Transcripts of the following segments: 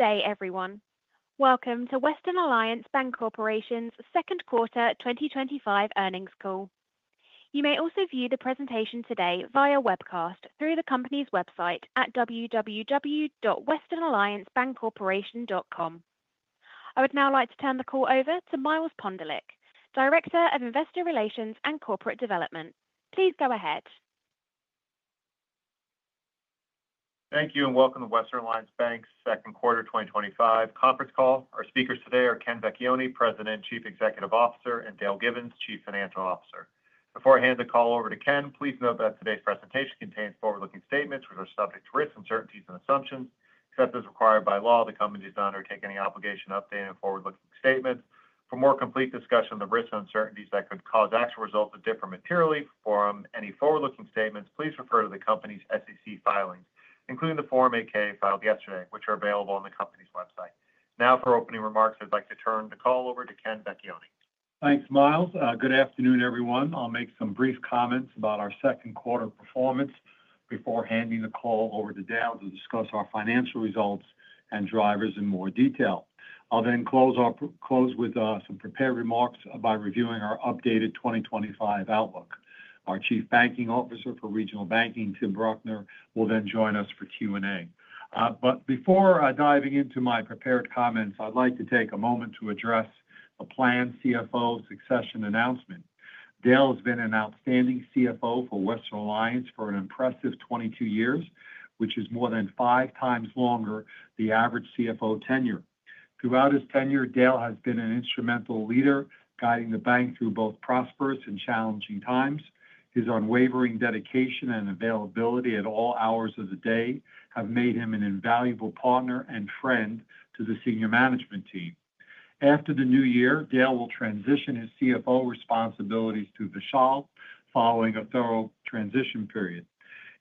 Good day, everyone. Welcome to Western Alliance Bank Corporation's Second Quarter twenty twenty five Earnings Call. You may also view the presentation today via webcast through the company's Web site at www.westernalliancebancorporation.com. I would now like to turn the call over to Miles Pondelic, Director of Investor Relations and Corporate Development. Please go ahead. Thank you, and welcome to Western Alliance Bank's second quarter twenty twenty five conference call. Our speakers today are Ken Vecchione, President and Chief Executive Officer and Dale Givens, Chief Financial Officer. Before I hand the call over to Ken, please note that today's presentation contains forward looking statements, which are subject to risks, uncertainties and assumptions. Except as required by law, the company does not undertake any obligation to update any forward looking statements. For a more complete discussion of the risks and uncertainties that could cause actual results to differ materially from any forward looking statements, please refer to the company's SEC filings, including the Form eight ks filed yesterday, which are available on the company's website. Now for opening remarks, I'd like to turn the call over to Ken Bacchione. Thanks, Myles. Good afternoon, everyone. I'll make some brief comments about our second quarter performance before handing the call over to Dow to discuss our financial results and drivers in more detail. I'll then close off close with some prepared remarks by reviewing our updated 2025 outlook. Our chief banking officer for regional banking, Tim Bruckner, will then join us for q and a. But before diving into my prepared comments, I'd like to take a moment to address a planned CFO succession announcement. Dale has been an outstanding CFO for Western Alliance for an impressive twenty two years, which is more than five times longer the average CFO tenure. Throughout his tenure, Dale has been an instrumental leader guiding the bank through both prosperous and challenging times. His unwavering dedication and availability at all hours of the day have made him an invaluable partner and friend to the senior management team. After the new year, Dale will transition his CFO responsibilities to Vishal following a thorough transition period.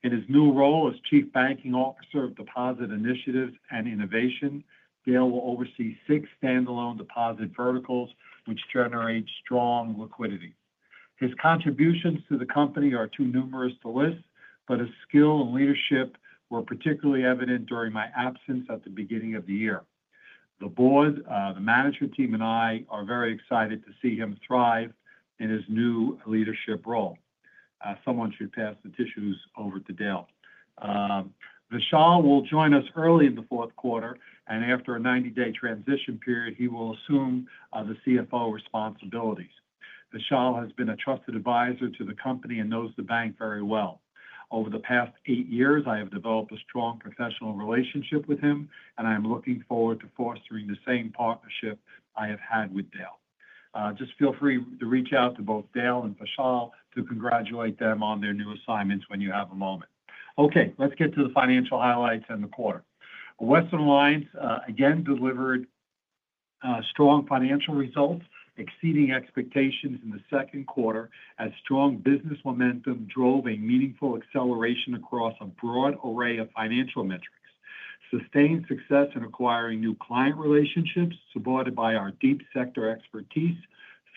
In his new role as chief banking officer of deposit initiatives and innovation, Dale will oversee six stand alone deposit verticals, which generate strong liquidity. His contributions to the company are too numerous to list, but his skill and leadership were particularly evident during my absence at the beginning of the year. The board, the management team, I are very excited to see him thrive in his new leadership role. Someone should pass the tissues over to Dale. Vishal will join us early in the fourth quarter, and after a ninety day transition period, he will assume, the CFO responsibilities. Vishal has been a trusted adviser to the company and knows the bank very well. Over the past eight years, I have developed a strong professional relationship with him, and I'm looking forward to fostering the same partnership I have had with Dale. Just feel free to reach out to both Dale and Vishal to congratulate them on their new assignments when you have a moment. Okay. Let's get to the financial highlights and the quarter. Western Lines, again, delivered strong financial results, exceeding expectations in the second quarter as strong business momentum drove a meaningful acceleration across a broad array of financial metrics. Sustained success in acquiring new client relationships, supported by our deep sector expertise,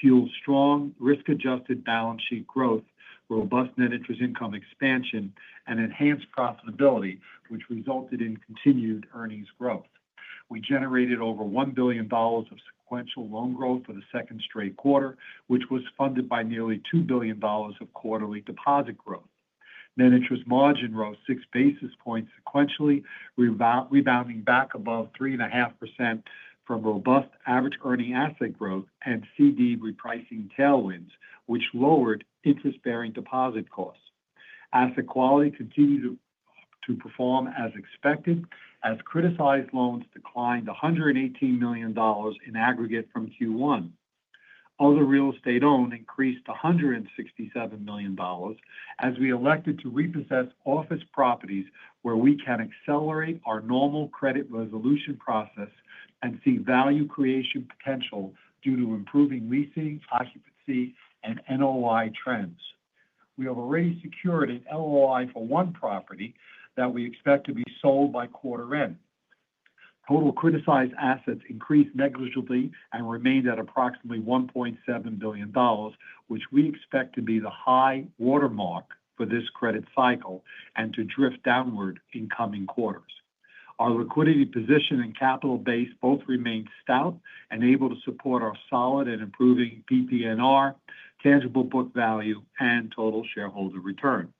fueled strong risk adjusted balance sheet growth, robust net interest income expansion, and enhanced profitability, which resulted in continued earnings growth. We generated over $1,000,000,000 of sequential loan growth for the second straight quarter, which was funded by nearly $2,000,000,000 of quarterly deposit growth. Net interest margin rose six basis points sequentially, rebounding back above 3.5% from robust average earning asset growth and CD repricing tailwinds, which lowered interest bearing deposit costs. Asset quality continued to perform as expected as criticized loans declined $118,000,000 in aggregate from Q1. Other real estate owned increased $167,000,000 as we elected to repossess office properties where we can accelerate our normal credit resolution process and see value creation potential due to improving leasing, occupancy and NOI trends. We have already secured an LOI for one property that we expect to be sold by quarter end. Total criticized assets increased negligibly and remained at approximately $1,700,000,000 which we expect to be the high watermark for this credit cycle and to drift downward in coming quarters. Our liquidity position and capital base both remained stout and able to support our solid and improving PPNR, tangible book value and total shareholder return.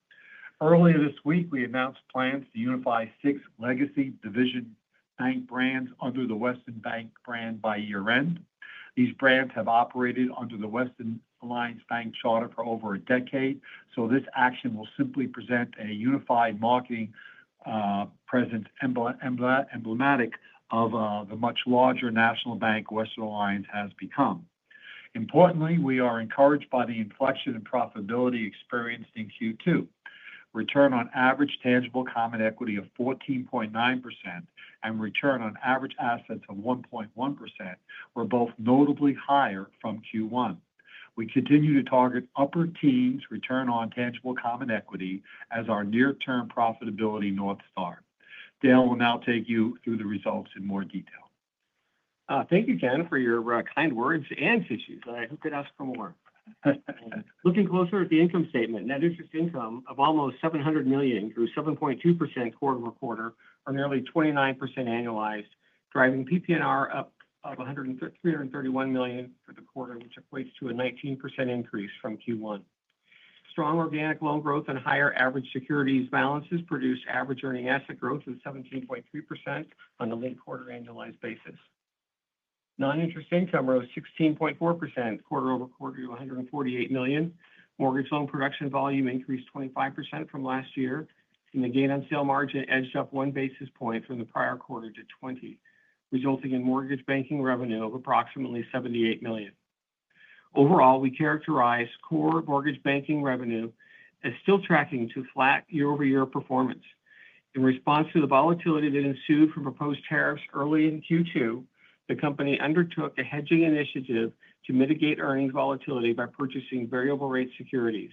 Earlier this week, we announced plans to unify six legacy division bank brands under the Western Bank brand by year end. These brands have operated under the Western Alliance bank charter for over a decade, so this action will simply present a unified marketing presence emblematic of the much larger national bank Western Alliance has become. Importantly, we are encouraged by the inflection in profitability experienced in Q2. Return on average tangible common equity of 14.9% and return on average assets of 1.1% were both notably higher from Q1. We continue to target upper teens return on tangible common equity as our near term profitability north star. Dale will now take you through the results in more detail. Thank you, Ken, for your kind words and tissues. I hope they'd ask for more. Looking closer at the income statement, net interest income of almost $700,000,000 grew 7.2% quarter over quarter or nearly 29% annualized, driving PPNR up of $331,000,000 for the quarter, which equates to a 19% increase from Q1. Strong organic loan growth and higher average securities balances produced average earning asset growth of 17.3% on a linked quarter annualized basis. Non interest income rose 16.4% quarter over quarter to $148,000,000 Mortgage loan production volume increased 25% from last year and the gain on sale margin edged up one basis point from the prior quarter to 20, resulting in mortgage banking revenue of approximately $78,000,000 Overall, we characterize core mortgage banking revenue as still tracking to flat year over year performance. In response to the volatility that ensued from proposed tariffs early in Q2, the company undertook a hedging initiative to mitigate earnings volatility by purchasing variable rate securities.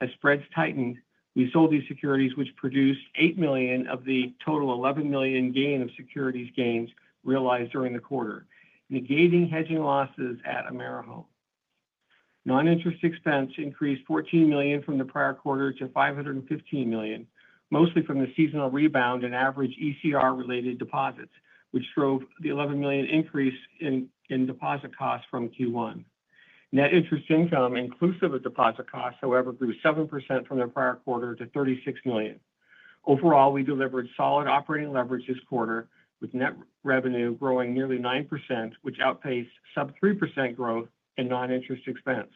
As spreads tightened, we sold these securities, which produced $8,000,000 of the total $11,000,000 gain of securities gains realized during the quarter, negating hedging losses at AmeriHome. Non interest expense increased $14,000,000 from the prior quarter to $515,000,000 mostly from the seasonal rebound in average ECR related deposits, which drove the $11,000,000 increase in deposit costs from Q1. Net interest income, inclusive of deposit costs, however, grew 7% from the prior quarter to $36,000,000 Overall, we delivered solid operating leverage this quarter with net revenue growing nearly 9%, which outpaced sub-three percent growth in noninterest expense.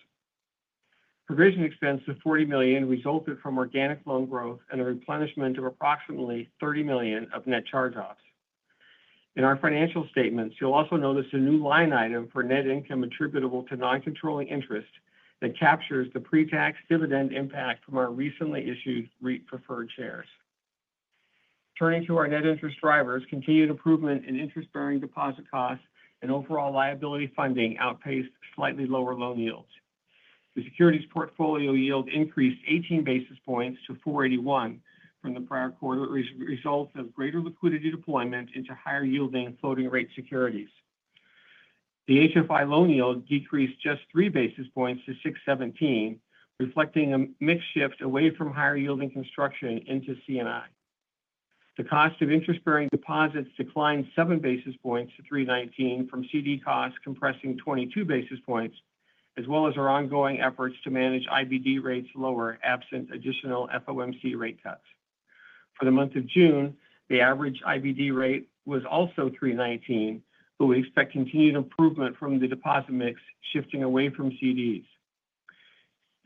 Provision expense of $40,000,000 resulted from organic loan growth and a replenishment of approximately $30,000,000 of net charge offs. In our financial statements, you'll also notice a new line item for net income attributable to non controlling interest that captures the pretax dividend impact from our recently issued REIT preferred shares. Turning to our net interest drivers, continued improvement in interest bearing deposit costs and overall liability funding outpaced slightly lower loan yields. The securities portfolio yield increased 18 basis points to 4.81 from the prior quarter, resulting in greater liquidity deployment into higher yielding floating rate securities. The HFI loan yield decreased just three basis points to 6.17%, reflecting a mix shift away from higher yielding construction into C and I. The cost of interest bearing deposits declined seven basis points to threenineteen from CD costs compressing 22 basis points as well as our ongoing efforts to manage IBD rates lower absent additional FOMC rate cuts. For the month of June, the average IBD rate was also three nineteen, but we expect continued improvement from the deposit mix shifting away from CDs.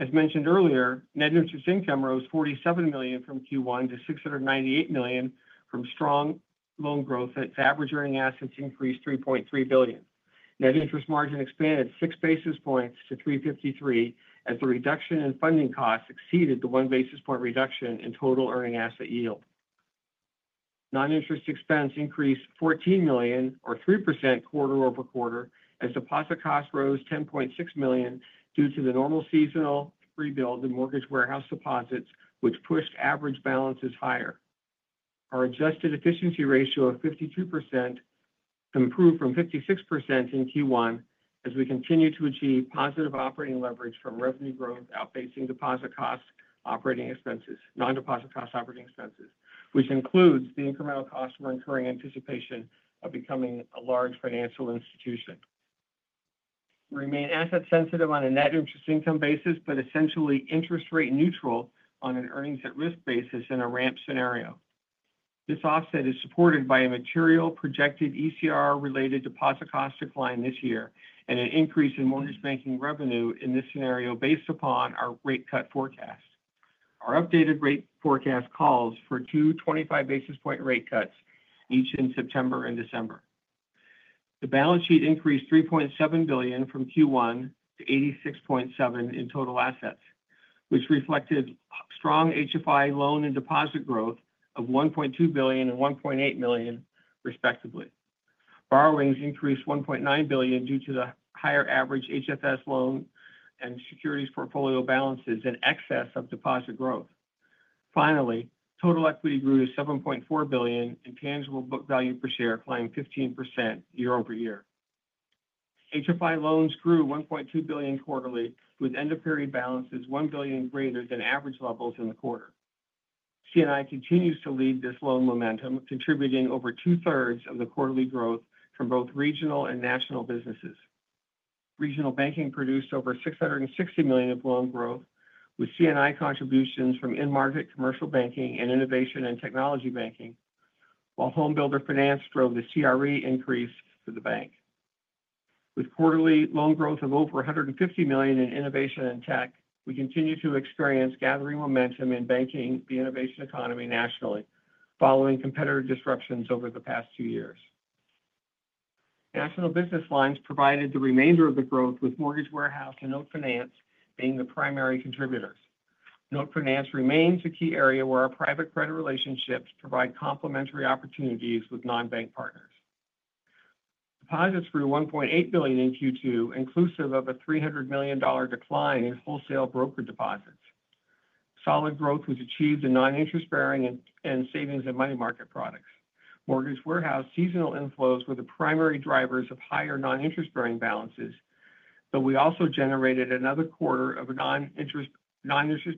As mentioned earlier, net interest income rose 47,000,000 from Q1 to $698,000,000 from strong loan growth as average earning assets increased $3,300,000,000 Net interest margin expanded six basis points to 3.53% as the reduction in funding costs exceeded the one basis point reduction in total earning asset yield. Non interest expense increased $14,000,000 or 3% quarter over quarter as deposit costs rose $10,600,000 due to the normal seasonal rebuild in mortgage warehouse deposits, which pushed average balances higher. Our adjusted efficiency ratio of 52% improved from 56 in Q1 as we continue to achieve positive operating leverage from revenue growth outpacing deposit costs, operating expenses non deposit costs operating expenses, which includes the incremental cost we're incurring in anticipation of becoming a large financial institution. We remain asset sensitive on a net interest income basis, but essentially interest rate neutral on an earnings at risk basis in a ramp scenario. This offset is supported by a material projected ECR related deposit cost decline this year and an increase in mortgage banking revenue in this scenario based upon our rate cut forecast. Our updated rate forecast calls for two twenty five basis point rate cuts each in September and December. The balance sheet increased $3,700,000,000 from Q1 to $86,700,000,000 in total assets, which reflected strong HFI loan and deposit growth of $1,200,000,000 and 1,800,000 respectively. Borrowings increased $1,900,000,000 due to the higher average HFS loan and securities portfolio balances in excess of deposit growth. Finally, total equity grew to $7,400,000,000 and tangible book value per share, applying 15% year over year. HFI loans grew $1,200,000,000 quarterly with end of period balances $1,000,000,000 greater than average levels in the quarter. C and I continues to lead this loan momentum contributing over two thirds of the quarterly growth from both regional and national businesses. Regional banking produced over $660,000,000 of loan growth with C and I contributions from in market commercial banking and innovation and technology banking, while homebuilder finance drove the CRE increase for the bank. With quarterly loan growth of over $150,000,000 in innovation and tech, we continue to experience gathering momentum in banking, the innovation economy nationally, following competitor disruptions over the past two years. National business lines provided the remainder of the growth with mortgage warehouse and note finance being the primary contributors. Note finance remains a key area where our private credit relationships provide complementary opportunities with non bank partners. Deposits grew $1,800,000,000 in Q2, inclusive of a $300,000,000 decline in wholesale brokered deposits. Solid growth was achieved in non interest bearing and savings and money market products. Mortgage warehouse seasonal inflows were the primary drivers of higher non interest bearing balances, but we also generated another quarter of non interest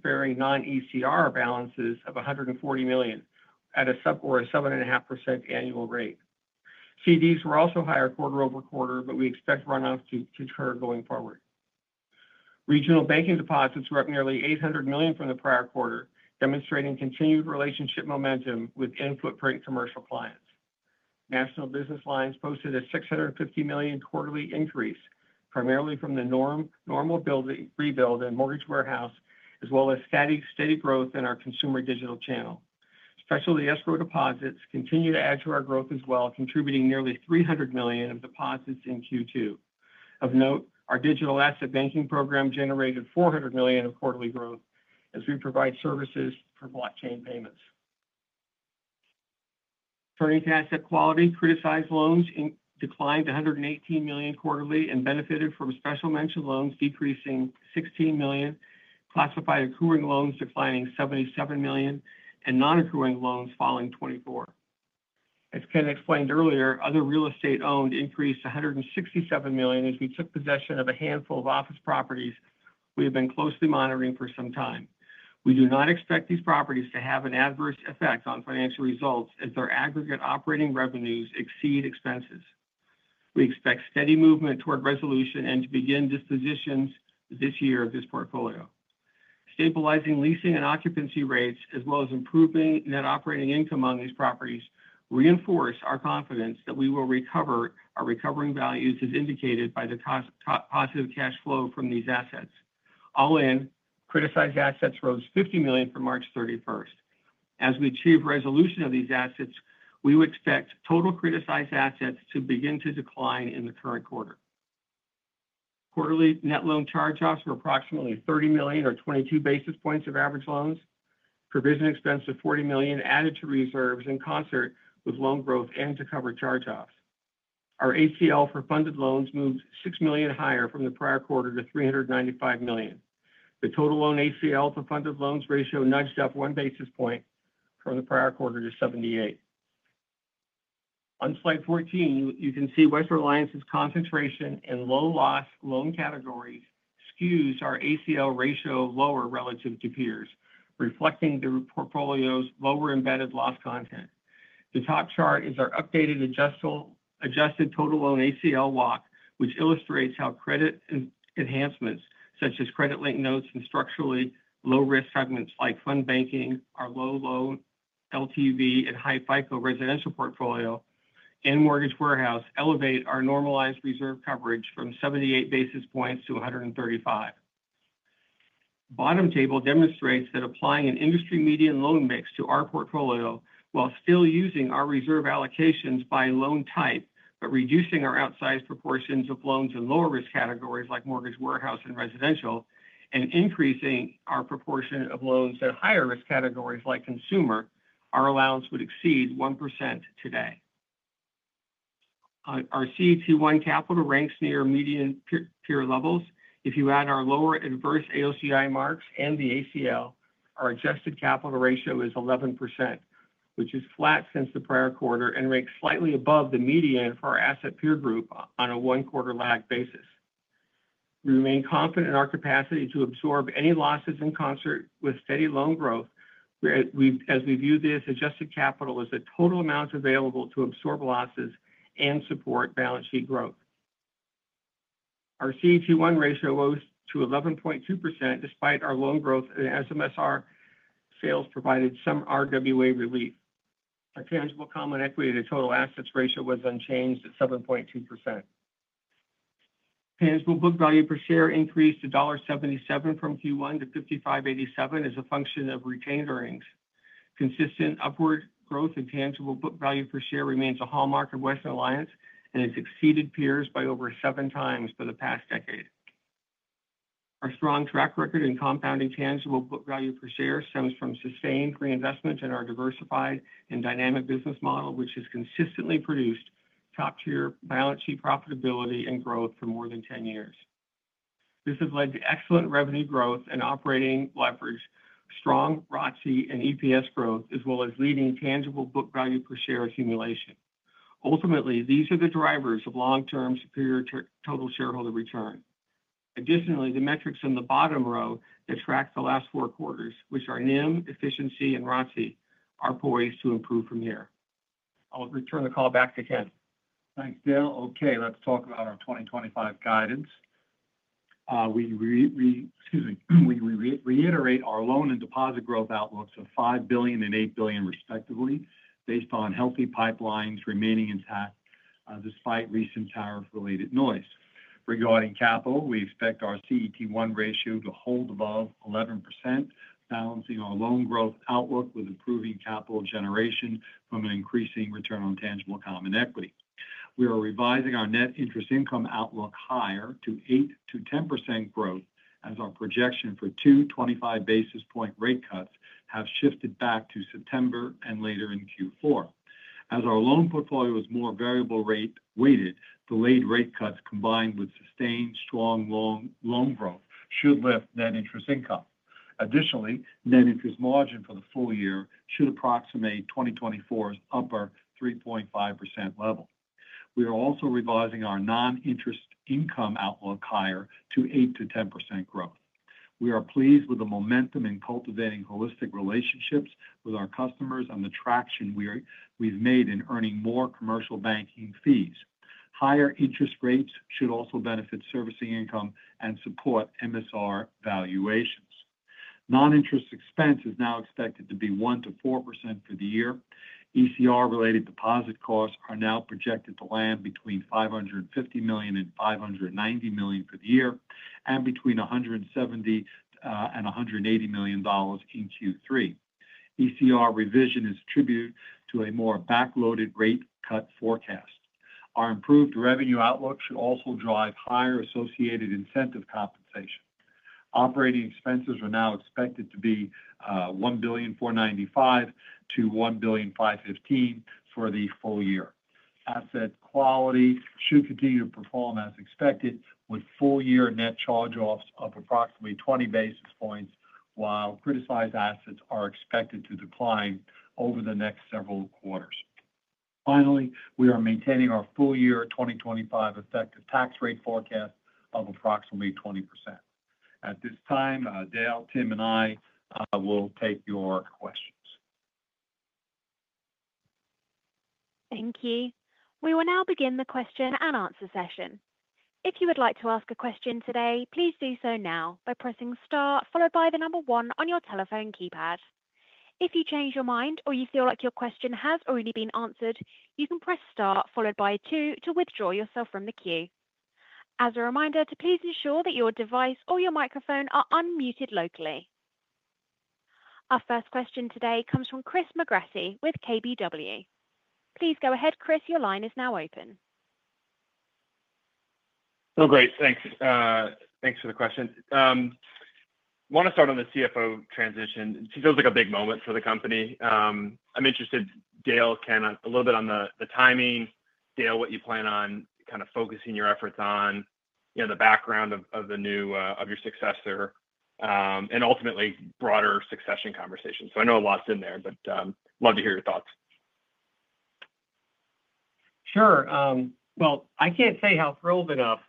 bearing non ECR balances of $140,000,000 at a sub or 7.5% annual rate. CDs were also higher quarter over quarter, but we expect runoffs to occur going forward. Regional banking deposits were up nearly $800,000,000 from the prior quarter, demonstrating continued relationship momentum within footprint commercial clients. National business lines posted a $650,000,000 quarterly increase, primarily from the normal rebuild and mortgage warehouse as well as steady growth in our consumer digital channel. Specialty escrow deposits continue to add to our growth as well, contributing nearly $300,000,000 of deposits in Q2. Of note, our digital asset banking program generated $400,000,000 of quarterly growth as we provide services for blockchain payments. Turning to asset quality. Criticized loans declined $118,000,000 quarterly and benefited from special mentioned loans decreasing 16,000,000 classified accruing loans declining $77,000,000 and non accruing loans falling 24,000,000 As Ken explained earlier, other real estate owned increased $167,000,000 as we took possession of a handful of office properties we have been closely monitoring for some time. We do not expect these properties to have an adverse effect on financial results as their aggregate operating revenues exceed expenses. We expect steady movement toward resolution and to begin dispositions this year of this portfolio. Stabilizing leasing and occupancy rates as well as improving net operating income on these properties reinforce our confidence that we will recover our recovering values as indicated by the positive cash flow from these assets. All in, criticized assets rose $50,000,000 from March 31. As we achieve resolution of these assets, we would expect total criticized assets to begin to decline in the current quarter. Quarterly net loan charge offs were approximately $30,000,000 or 22 basis points of average loans. Provision expense of $40,000,000 added to reserves in concert with loan growth and to cover charge offs. Our ACL for funded loans moved $6,000,000 higher from the prior quarter to $395,000,000 The total loan ACL for funded loans ratio nudged up one basis point from the prior quarter to 78. On Slide 14, you can see Western Alliance's concentration and low loss loan categories skews our ACL ratio lower relative to peers, reflecting the portfolio's lower embedded loss content. The top chart is our updated adjusted total loan ACL walk, which illustrates how credit enhancements such as credit linked notes and structurally low risk segments like fund banking, our low loan LTV and high FICO residential portfolio and mortgage warehouse elevate our normalized reserve coverage from 78 basis points to 135. Bottom table demonstrates that applying an industry median loan mix to our portfolio while still using our reserve allocations by loan type, but reducing our outsized proportions of loans in lower risk categories like mortgage warehouse and residential and increasing our proportion of loans at higher risk categories like consumer, our allowance would exceed 1% today. Our CET1 capital ranks near median peer levels. If you add our lower adverse AOCI marks and the ACL, our adjusted capital ratio is 11%, which is flat since the prior quarter and ranks slightly above the median for our asset peer group on a one quarter lag basis. We remain confident in our capacity to absorb any losses in concert with steady loan growth as we view this adjusted capital as the total amount available to absorb losses and support balance sheet growth. Our CET1 ratio rose to 11.2% despite our loan growth and SMSR sales provided some RWA relief. Our tangible common equity to total assets ratio was unchanged at 7.2%. Tangible book value per share increased $1.77 from Q1 to $55.87 as a function of retained earnings. Consistent upward growth in tangible book value per share remains a hallmark of Western Alliance and has exceeded peers by over 7x for the past decade. Our strong track record in compounding tangible book value per share stems from sustained reinvestments in our diversified and dynamic business model, which has consistently produced top tier balance sheet profitability and growth for more than ten years. This has led to excellent revenue growth and operating leverage, strong ROTCE and EPS growth as well as leading tangible book value per share accumulation. Ultimately, these are the drivers of long term superior total shareholder return. Additionally, the metrics in the bottom row that track the last four quarters, which are NIM, efficiency and ROTCE, are poised to improve from here. I'll return the call back to Ken. Thanks, Dale. Okay. Let's talk about our 2025 guidance. We reiterate our loan and deposit growth outlooks of $5,000,000,000 and $8,000,000,000 respectively, based on healthy pipelines remaining intact despite recent tariff related noise. Regarding capital, we expect our CET1 ratio to hold above 11%, balancing our loan growth outlook with improving capital generation from an increasing return on tangible common equity. We are revising our net interest income outlook higher to 8% to 10% growth as our projection for 02/25 basis point rate cuts have shifted back to September and later in Q4. As our loan portfolio is more variable rate weighted, delayed rate cuts combined with sustained strong loan growth should lift net interest income. Additionally, net interest margin for the full year should approximate twenty twenty four's upper 3.5% level. We are also revising our noninterest income outlook higher to 8% to 10% growth. We are pleased with the momentum in cultivating holistic relationships with our customers and the traction we've made in earning more commercial banking fees. Higher interest rates should also benefit servicing income and support MSR valuations. Noninterest expense is now expected to be 1% to 4% for the year. ECR related deposit costs are now projected to land between $550,000,000 and $590,000,000 for the year and between $170 and $180,000,000 in Q3. ECR revision is attributed to a more backloaded rate cut forecast. Our improved revenue outlook should also drive higher associated incentive compensation. Operating expenses are now expected to be $1,495,000,000 to $1,515,000,000 for the full year. Asset quality should continue to perform as expected with full year net charge offs of approximately 20 basis points, while criticized assets are expected to decline over the next several quarters. Finally, we are maintaining our full year 2025 effective tax rate forecast of approximately 20%. At this time, Dale, Tim, and I, will take your questions. Thank you. We will now begin the question and answer session. Session. Our first question today comes from Chris McGratty with KBW. Please go ahead, Chris. Your line is now open. Great. Thanks. Thanks for the question. I want to start on the CFO transition. It feels like a big moment for the company. I'm interested, Dale, Ken, a little bit on the timing. Dale, what you plan on kind of focusing your efforts on, you know, the background of of the new, of your successor, and ultimately, broader succession conversation. So I know a lot's in there, but, love to hear your thoughts. Sure. Well, I can't say how thrilled enough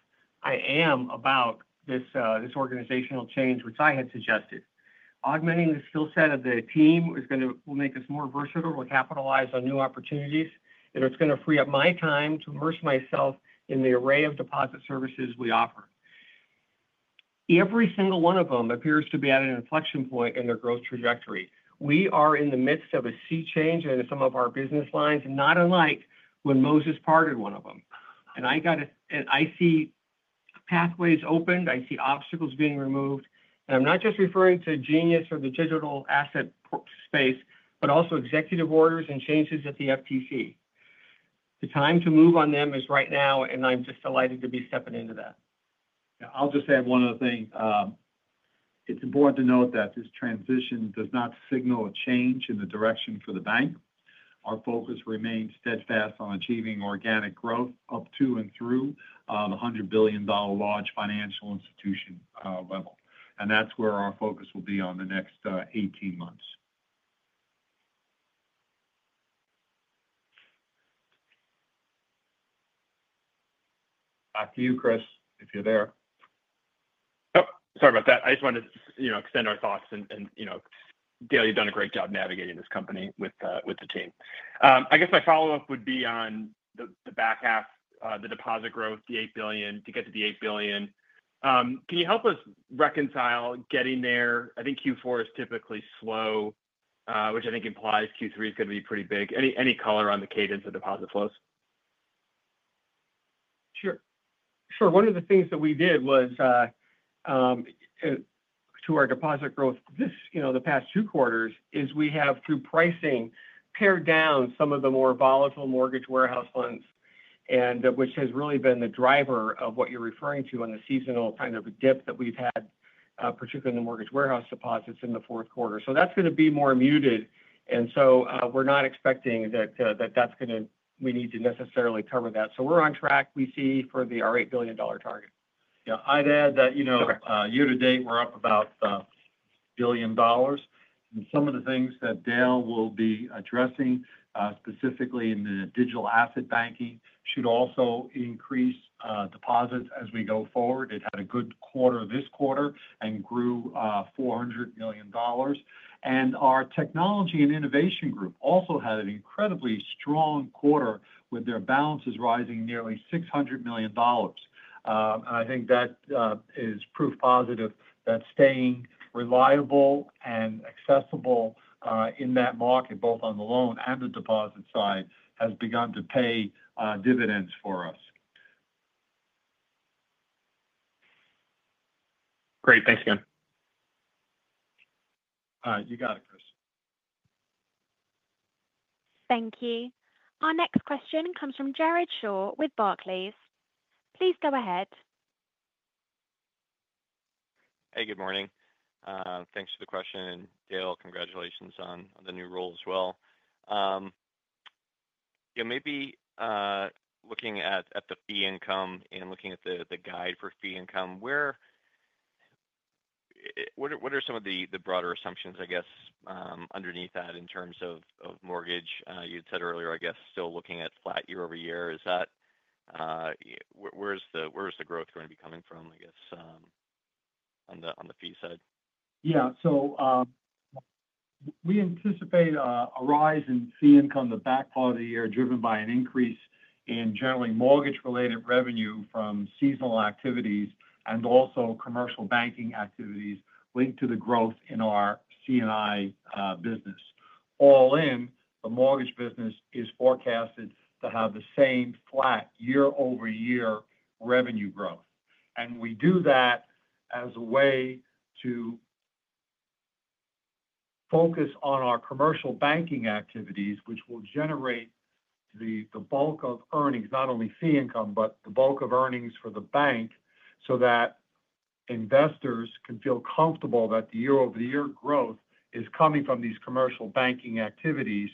I am about this, this organizational change, which I had suggested. Augmenting the skill set of the team is gonna will make us more versatile. We'll capitalize on new opportunities, and it's gonna free up my time to immerse myself in the array of deposit services we offer. Every single one of them appears to be at an inflection point in their growth trajectory. We are in the midst of a sea change in some of our business lines, not unlike when Moses parted one of them. And I got it and I see pathways opened. I see obstacles being removed. And I'm not just referring to Genius or the digital asset space, but also executive orders and changes at the FTC. The time to move on them is right now, and I'm just delighted to be stepping into that. I'll just add one other thing. It's important to note that this transition does not signal a change in the direction for the bank. Our focus remains steadfast on achieving organic growth up to and through the $100,000,000,000 large financial institution level, and that's where our focus will be on the next eighteen months. Back to you, Chris, if you're there. Oh, sorry about that. I just wanted to, you know, extend our thoughts. And, you know, Dale, you've done a great job navigating this company with the team. I guess my follow-up would be on the back half, the deposit growth, the $8,000,000,000 to get to the $8,000,000,000 Can you help us reconcile getting there? I think Q4 is typically slow, which I think implies Q3 is going be pretty big. Any color on the cadence of deposit flows? Sure. Sure. One of the things that we did was to our deposit growth this the past two quarters is we have through pricing pared down some of the more volatile mortgage warehouse funds and which has really been the driver of what you're referring to on the seasonal kind of dip that we've had, particularly in the mortgage warehouse deposits in the fourth quarter. So that's going to be more muted. And so we're not expecting that that's going to we need to necessarily cover that. So we're on track, we see, for the our $8,000,000,000 target. Yes. I'd add that year to date, we're up about $1,000,000,000 And some of the things that Dale will be addressing, specifically in the digital asset banking, should also increase deposits as we go forward. It had a good quarter this quarter and grew $400,000,000. And our technology and innovation group also had an incredibly strong quarter with their balances rising nearly $600,000,000. And I think that, is proof positive that staying reliable and accessible, in that market both on the loan and the deposit side has begun to pay dividends for us. Great. Thanks again. You got it, Chris. Thank you. Our next question comes from Jared Shaw with Barclays. Please go ahead. Hey, good morning. Thanks for the question. Dale, congratulations on the new role as well. Maybe looking at the fee income and looking at the guide for fee income, where what are some of the broader assumptions, I guess, underneath that in terms of mortgage? You had said earlier, I guess, still looking at flat year over year. Is that where is the growth going to be coming from, I guess, on the fee side? Yes. So we anticipate a rise in fee income in the back part of the year driven by an increase in generally mortgage related revenue from seasonal activities and also commercial banking activities linked to the growth in our C and I business. All in, the mortgage business is forecasted to have the same flat year over year revenue growth. And we do that as a way to focus on our commercial banking activities, which will generate the bulk of earnings, not only fee income, but the bulk of earnings for the bank so that investors can feel comfortable that the year over year growth is coming from these commercial banking activities,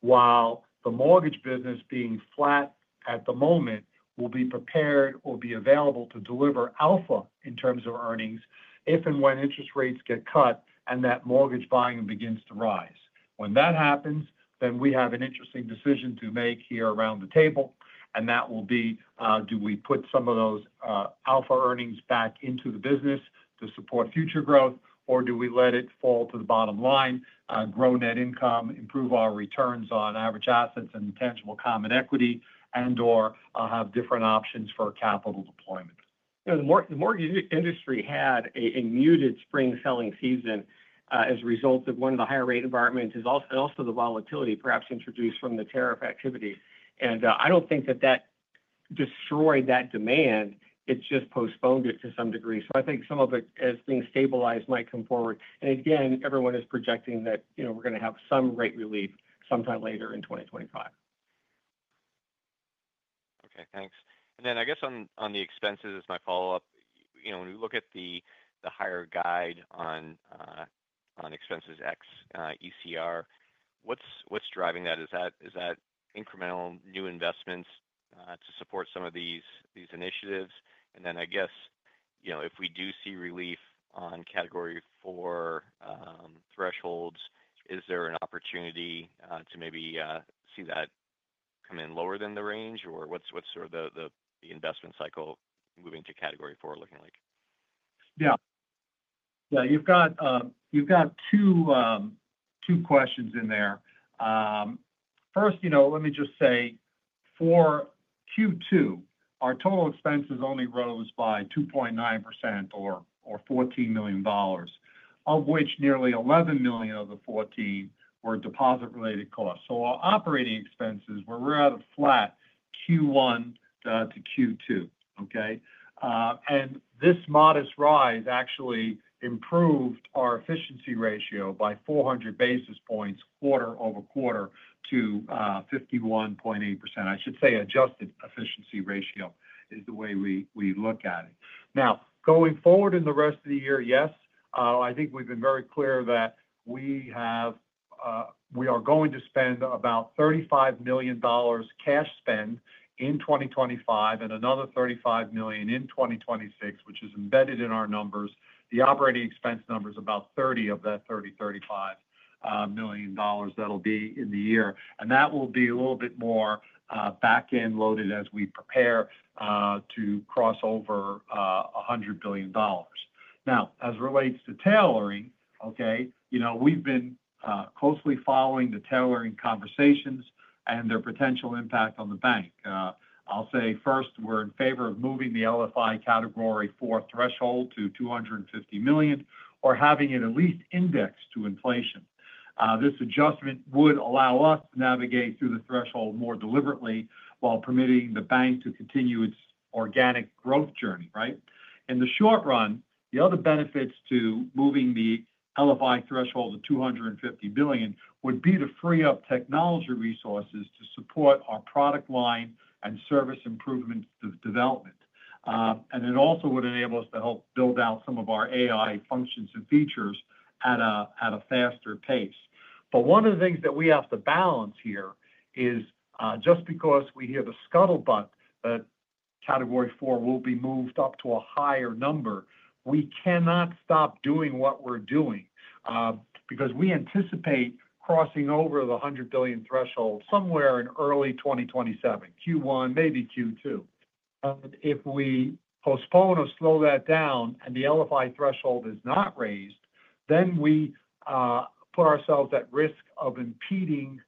while the mortgage business being flat at the moment will be prepared or be available to deliver alpha in terms of earnings if and when interest rates get cut and that mortgage volume begins to rise. When that happens, then we have an interesting decision to make here around the table, and that will be, do we put some of those, alpha earnings back into the business to support future growth? Or do we let it fall to the bottom line, grow net income, improve our returns on average assets and intangible common equity and or have different options for capital deployment? The mortgage industry had a muted spring selling season, as a result of one of the higher rate environment and also the volatility perhaps introduced from the tariff activity. And, I don't think that that destroyed that demand. It just postponed it to some degree. So I think some of it, as things stabilize, might come forward. And again, everyone is projecting that we're going to have some rate relief sometime later in 2025. Okay. Thanks. And then I guess on the expenses, my follow-up, when we look at the higher guide on expenses ex ECR, what's driving that? Is incremental new investments to support some of these initiatives? And then I guess, if we do see relief on category four thresholds, is there an opportunity to maybe see that come in lower than the range? Or what's sort of the investment cycle moving to category four looking like? Yes. Yes. You've got two questions in there. First, let me just say, for q two, our total expenses only rose by 2.9% or $14,000,000 of which nearly $11,000,000 of the $14,000,000 were deposit related costs. So our operating expenses were rather flat Q1 to Q2, okay? And this modest rise actually improved our efficiency ratio by 400 basis points quarter over quarter to 51.8%. I should say adjusted efficiency ratio is the way we look at it. Now going forward in the rest of the year, yes, I think we've been very clear that we we are have going to spend about $35,000,000 cash spend in 2025 and another $35,000,000 in 2026, which is embedded in our numbers. The operating expense number is about 30,000,000 of that $65,000,000 that will be in the year. And that will be a little bit more back end loaded as we prepare to cross over $100,000,000,000 Now as it relates to tailoring, okay, we've been closely following the tailoring conversations and their potential impact on the bank. I'll say first, we're in favor of moving the LFI category for threshold to $250,000,000 or having it at least indexed to inflation. This adjustment would allow us to navigate through the threshold more deliberately while permitting the bank to continue its organic growth journey, right? In the short run, the other benefits to moving the LFI threshold to 250,000,000,000 would be to free up technology resources to support our product line and service improvement development, and it also would enable us to help build out some of our AI functions and features at a at a faster pace. But one of the things that we have to balance here is, just because we hear the scuttlebutt that category four will be moved up to a higher number, we cannot stop doing what we're doing because we anticipate crossing over the 100,000,000,000 threshold somewhere in early twenty twenty seven, q one, maybe q two. If we postpone or slow that down and the LFI threshold is not raised, then we put ourselves at risk of impeding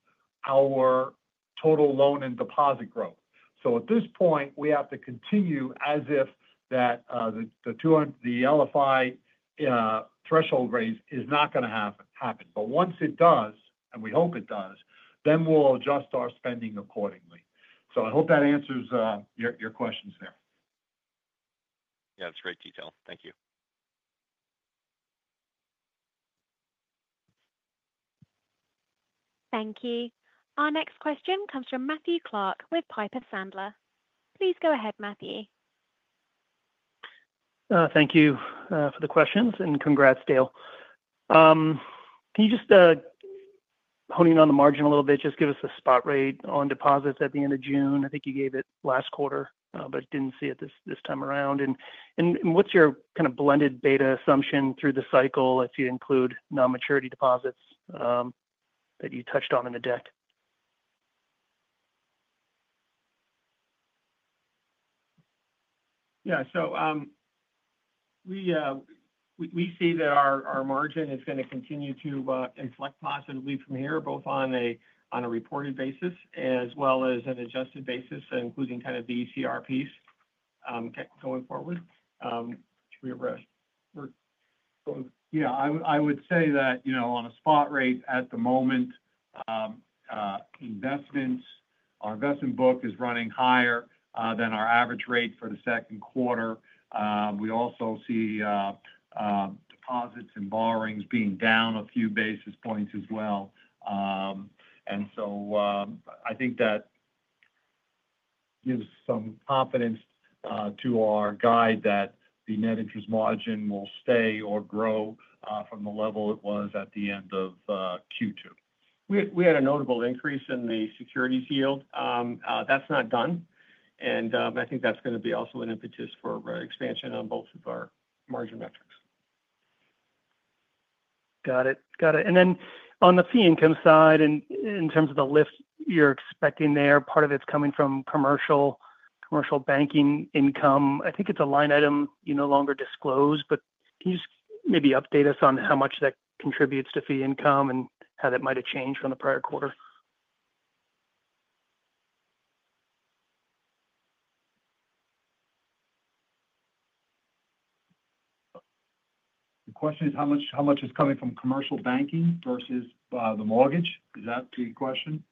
our total loan and deposit growth. So at this point, we have to continue as if that the LFI threshold raise is not going to happen. But once it does, and we hope it does, then we'll adjust our spending accordingly. So I hope that answers your questions there. Yes. That's great detail. Thank you. Thank you. Our next question comes from Matthew Clark with Piper Sandler. Please go ahead, Thank you for the questions and congrats Dale. Can you just hone in on the margin a little bit, just give us a spot rate on deposits at the June? I think you gave it last quarter, but didn't see it this time around. And what's your kind of blended beta assumption through the cycle if you include non maturity deposits that you touched on in the deck? Yes. So we see that our margin is going to continue to inflect positively from here, both on a reported basis as well as an adjusted basis, including kind of the CRPs going forward. Yes. I would say that on a spot rate at the moment, investments our investment book is running higher than our average rate for the second quarter. We also see deposits and borrowings being down a few basis points as well. And so I think that gives some confidence to our guide that the net interest margin will stay or grow from the level it was at the end of Q2. We had a notable increase in the securities yield. That's not done. And, I think that's going to be also an impetus for expansion on both of our margin metrics. Got it. Got it. And then on the fee income side, in terms of the lift you're expecting there, part of it's coming from commercial banking income. I think it's a line item you no longer disclose, but can you just maybe update us on how much that contributes to fee income and how that might have changed from the prior quarter? The question is how much how much is coming from commercial banking versus, the mortgage? Is that the question?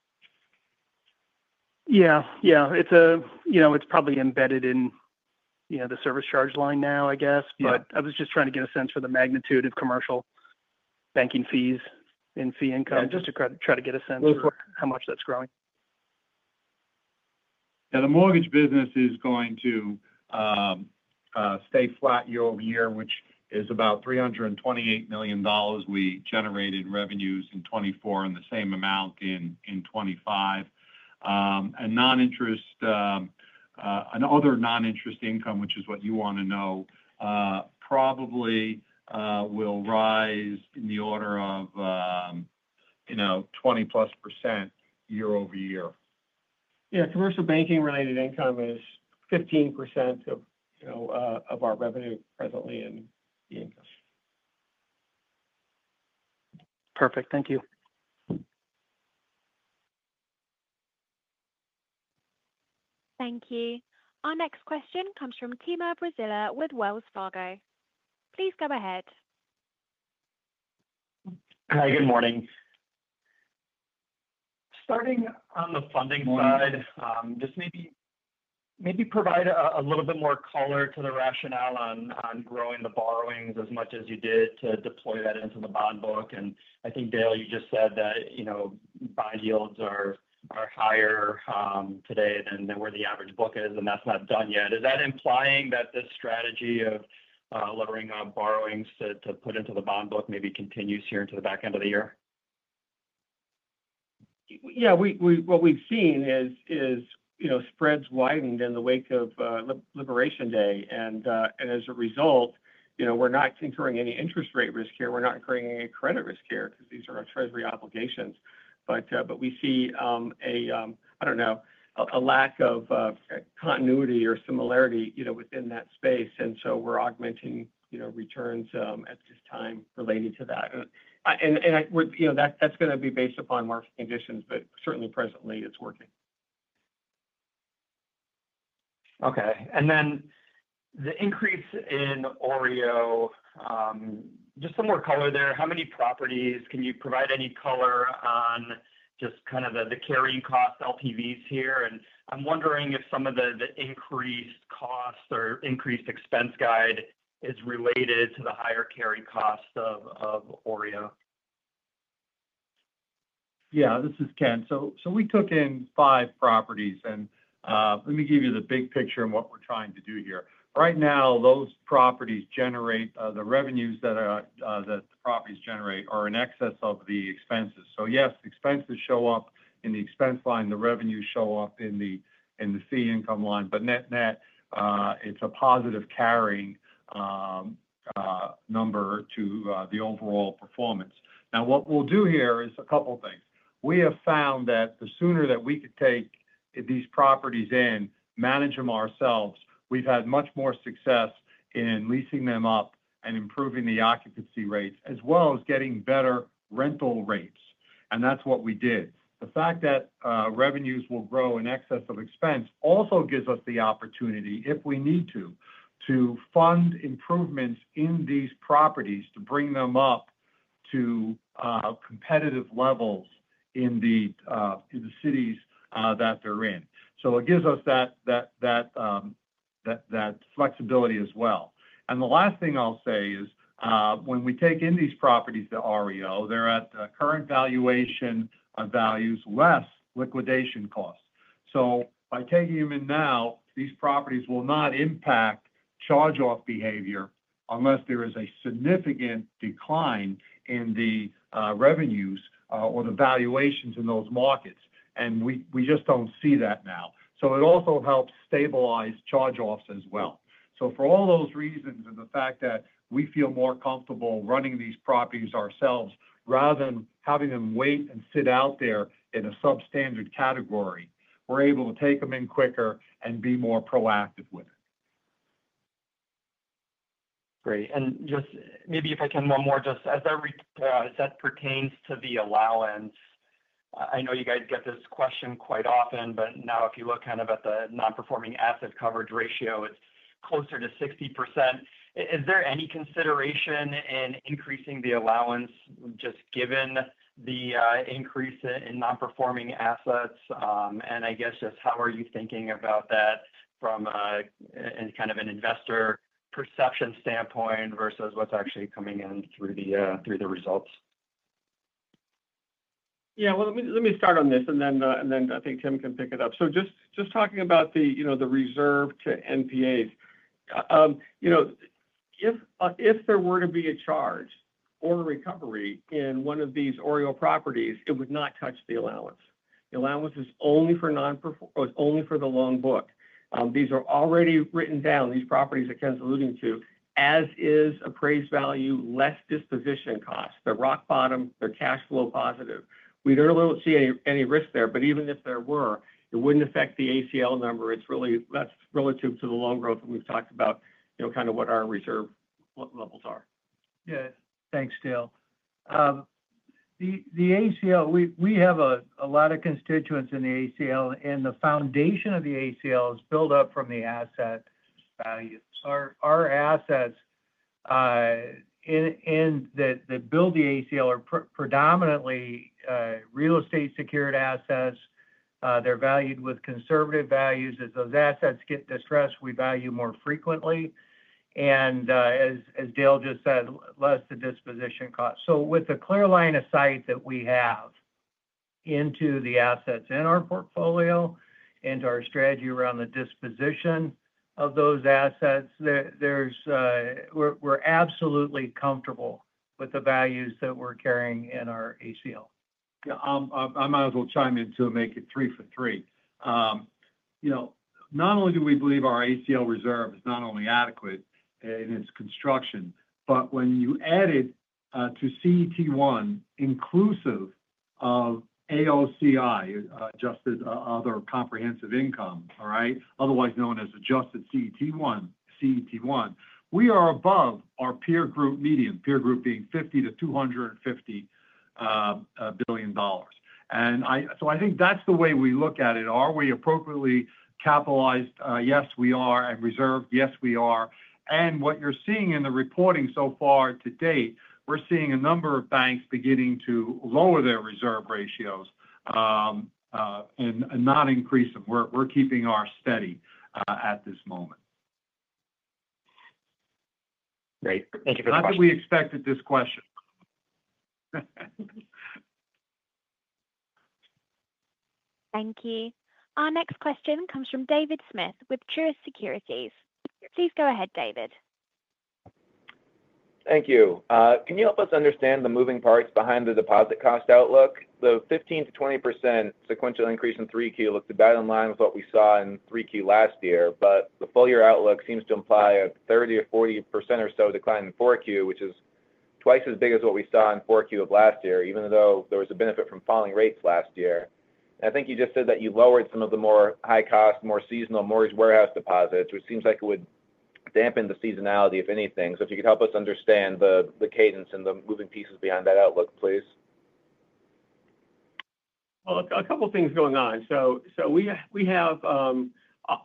Yeah. Yeah. It's a you know, it's probably embedded in, you know, the service charge line now, I guess. But I was just trying to get a sense for the magnitude of commercial banking fees and fee income just to try to get a sense of how much that's growing. Yeah. The mortgage business is going to stay flat year over year, which is about $328,000,000 We generated revenues in '24 and the same amount in '25. And non interest and other non interest income, which is what you want to know, probably will rise in the order of 20 plus percent year over year. Yeah. Commercial banking related income is 15% of our revenue presently in the income. Perfect. Thank you. Thank you. Our next question comes from Timur Braziler with Wells Fargo. Please go ahead. Hi, good morning. Starting on the funding side, just maybe provide a little bit more color to the rationale on growing the borrowings as much as you did to deploy that into the bond book. And I think, Dale, you just said that bond yields are higher today than where the average book is, and that's not done yet. Is that implying that the strategy of lowering our borrowings to put into the bond book maybe continues here into the back end of the year? Yeah. We we what we've seen is is, you know, spreads widened in the wake of, Liberation Day. And, and as a result, you know, we're not incurring any interest rate risk here. We're not incurring any credit risk here because these are our treasury obligations. But we see, a, I don't know, a lack of continuity or similarity within that space. And so we're augmenting returns, at this time related to that. And I would that's going to be based upon market conditions, but certainly, presently, it's working. Okay. And then the increase in OREO, just some more color there. How many properties? Can you provide any color on just kind of the carrying cost LTVs here? And I'm wondering if some of the increased cost or increased expense guide is related to the higher carry cost of of OREO? Yeah. This is Ken. So so we took in five properties, and, let me give you the big picture on what we're trying to do here. Right now, those properties generate the revenues that the properties generate are in excess of the expenses. So yes, expenses show up in the expense line, the revenues show up in the fee income line. But net net, it's a positive carrying number to the overall performance. Now what we'll do here is a couple of things. We have found that the sooner that we could take these properties in, manage them ourselves, we've had much more success in leasing them up and improving the occupancy rates as well as getting better rental rates, and that's what we did. The fact that, revenues will grow in excess of expense also gives us the opportunity, if we need to, to fund improvements in these properties to bring them up to competitive levels in the cities that they're in. So it gives us that flexibility as well. And the last thing I'll say is when we take in these properties to REO, they're at current valuation values less liquidation costs. So by taking them in now, these properties will not impact charge off behavior unless there is a significant decline in the revenues or the valuations in those markets, and we just don't see that now. So it also helps stabilize charge offs as well. So for all those reasons and the fact that we feel more comfortable running these properties ourselves rather than having them wait and sit out there in a substandard category, we're able to take them in quicker and be more proactive with it. Great. And just maybe if I can one more, just as that pertains to the allowance, I know you guys get this question quite often, but now if you look kind of at the nonperforming asset coverage ratio, it's closer to 60%. Is there any consideration in increasing the allowance just given the increase in non performing assets? And I guess just how are you thinking about that from a kind of an investor perception standpoint versus what's actually coming in through the results? Yes. Well, let me start on this, and then I think Tim can pick it up. So just talking about the reserve to NPAs. If there were to be a charge or recovery in one of these OREO properties, it would not touch the allowance. The allowance is only for the loan book. These are already written down, these properties that Ken's alluding to, as is appraised value less disposition costs. They're rock bottom, they're cash flow positive. We don't really see any risk there, but even if there were, it wouldn't affect the ACL number. It's really less relative to the loan growth that we've talked about kind of what our reserve levels are. Yes. Thanks, Dale. The ACL, we have a lot of constituents in the ACL and the foundation of the ACL is build up from the asset value. Our assets in the the build the ACL are predominantly real estate secured assets. They're valued with conservative values. As those assets get distressed, we value more frequently. And as as Dale just said, less the disposition cost. So with the clear line of sight that we have into the assets in our portfolio and our strategy around the disposition of those assets, there's we're absolutely comfortable with the values that we're carrying in our ACL. I might as well chime in to make it three for three. Not only do we believe our ACL reserve is not only adequate in its construction, but when you add it to CET1 inclusive of AOCI, adjusted other comprehensive income, otherwise known as adjusted CET1, we are above our peer group median, peer group being 50,000,000,000 to $250,000,000,000 And so I think that's the way we look at it. Are we appropriately capitalized? Yes. We are. And reserved? Yes. We are. And what you're seeing in the reporting so far to date, we're seeing a number of banks beginning to lower their reserve ratios and and not increase them. We're we're keeping our steady at this moment. Great. Thank you for the I think we expected this question. Thank you. Our next question comes from David Smith with Truist Securities. Please go ahead, David. Thank you. Can you help us understand the moving parts behind the deposit cost outlook? The 15% to 20% sequential increase in 3Q looks about in line with what we saw in 3Q last year, but the full year outlook seems to imply a 30% or 40% or so decline in 4Q, which is twice as big as what we saw in 4Q of last year, even though there was a benefit from falling rates last year. I think you just said that you lowered some of the more high cost, more seasonal mortgage warehouse deposits, which seems like it would dampen the seasonality, if anything. So if you could help us understand the cadence and the moving pieces behind that outlook, please. Well, a couple of things going on. So so we we have,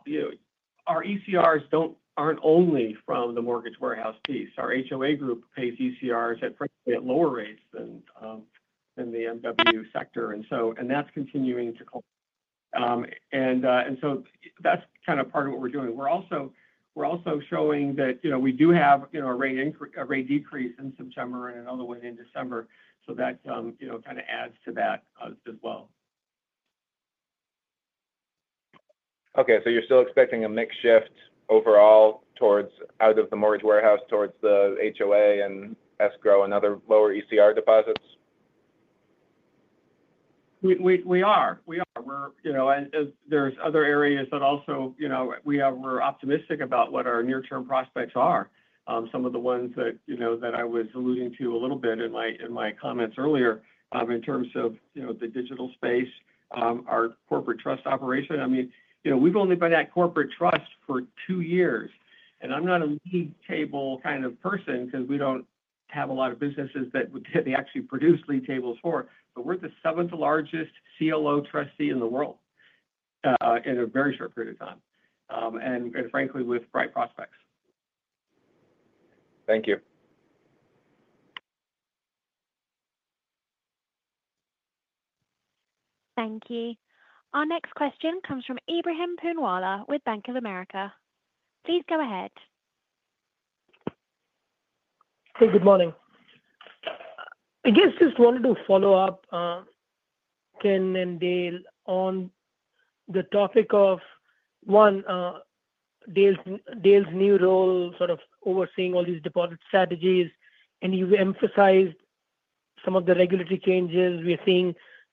you know, our ECRs don't aren't only from the mortgage warehouse piece. Our HOA group pays ECRs at, frankly, at lower rates than than the MW sector. And so and that's continuing to and and so that's kind of part of what we're doing. We're also we're also showing that, you know, we do have, you know, a rate a rate decrease in September and another one in December. So that kind of adds to that as well. Okay. So you're still expecting a mix shift overall towards out of the mortgage warehouse towards the HOA and escrow and other lower ECR deposits? We are. We are. There's other areas that also we're optimistic about what our near term prospects are. Some of the ones that I was alluding to a little bit in my comments earlier in terms of the digital space, our corporate trust operation. I mean, we've only been at corporate trust for two years. And I'm not a lead table kind of person because we don't have a lot of businesses that would they actually produce lead tables for, but we're the seventh largest CLO trustee in the world, in a very short period of time, and and, frankly, with bright prospects. Thank you. Thank you. Our next question comes from Ebrahim Poonawala with Bank of America. Please go ahead. Hey. Good morning. I guess just wanted to follow-up, Ken and Dale, on the topic of, one, Dale's Dale's new role sort of overseeing all these deposit strategies, and you've emphasized some of the regulatory changes.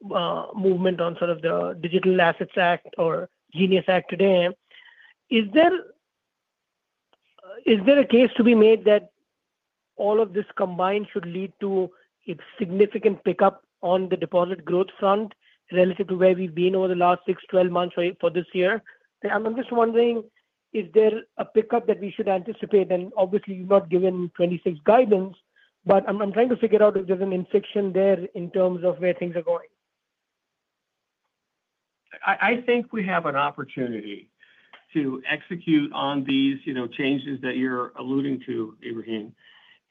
We're seeing, movement on sort of the Digital Assets Act or Genius Act today. There there a case to be made that all of this combined should lead to a significant pickup on the deposit growth front relative to where we've been over the last six, twelve months for this year? And I'm just wondering, is there a pickup that we should anticipate? And obviously, you've not given 26 guidance, but I'm trying to figure out if there's an infection there in terms of where things are going. I think we have an opportunity to execute on these, you know, changes that you're alluding to, Ebrahim,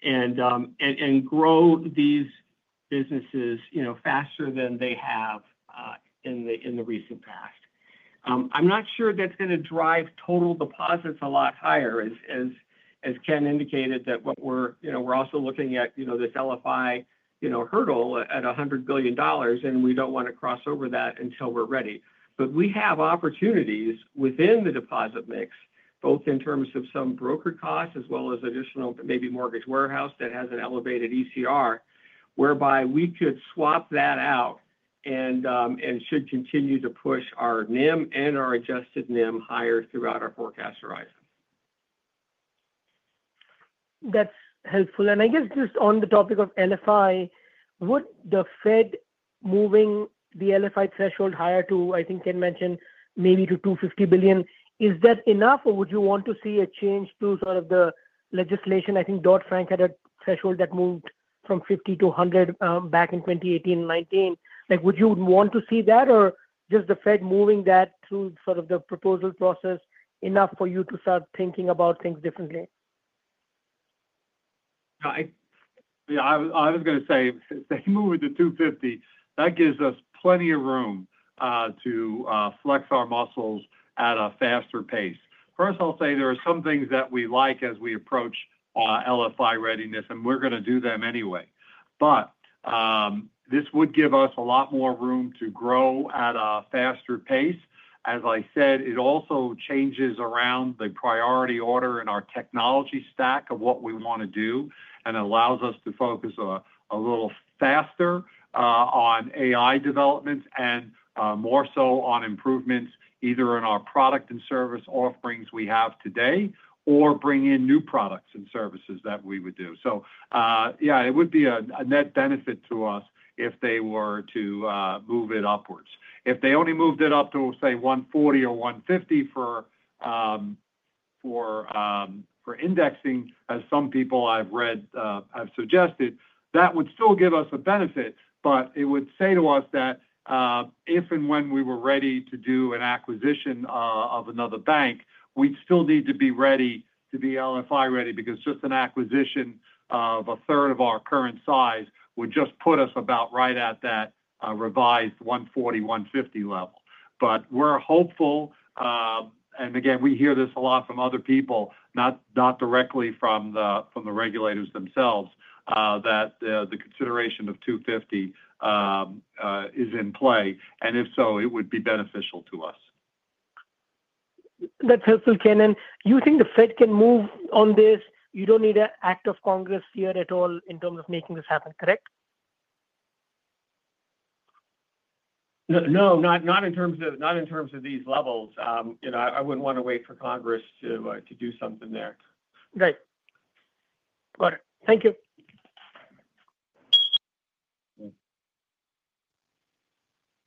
and and and grow these businesses, you know, faster than they have in the in the recent past. I'm not sure that's going to drive total deposits a lot higher as Ken indicated that what we're also looking at this LFI hurdle at $100,000,000,000 and we don't want to cross over that until we're ready. But we have opportunities within the deposit mix, both in terms of some broker costs as well as additional maybe mortgage warehouse that has an elevated ECR, whereby we could swap that out and should continue to push our NIM and our adjusted NIM higher throughout our forecast horizon. That's helpful. And I guess just on the topic of LFI, would the Fed moving the LFI threshold higher to, I think Ken mentioned, maybe to $250,000,000,000 Is that enough or would you want to see a change to sort of the legislation? I think Dodd Frank had a threshold that moved from 50 to 100 back in 2018, 2019. Like, would you want to see that or just the Fed moving that through sort of the proposal process enough for you to start thinking about things differently? I yeah. I I was gonna say, if they move with the two fifty, that gives us plenty of room to flex our muscles at a faster pace. First, I'll say there are some things that we like as we approach LFI readiness, and we're going to do them anyway. But this would give us a lot more room to grow at a faster pace. As I said, it also changes around the priority order in our technology stack of what we wanna do and allows us to focus a little faster on AI developments and more so on improvements either in our product and service offerings we have today or bring in new products and services that we would do. So, yeah, it would be a a net benefit to us if they were to, move it upwards. If they only moved it up to, say, one forty or one fifty for indexing, as some people I've read have suggested, that would still give us a benefit, but it would say to us that if and when we were ready to do an acquisition of another bank, we'd still need to be ready to be LFI ready because just an acquisition of a third of our current size would just put us about right at that revised 140, 150 level. But we're hopeful and, again, we hear this a lot from other people, not not directly from the from the regulators themselves, that the consideration of two fifty, is in play. And if so, it would be beneficial to us. That's helpful, Kennen. You think the Fed can move on this? You don't need an act of Congress here at all in terms of making this happen. Correct? No. Not not in terms of not in terms of these levels. You know, I I wouldn't wanna wait for Congress to do something there. Great. Got it. Thank you.